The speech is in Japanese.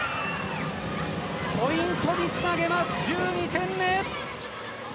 ポイントにつなげます、１２点目。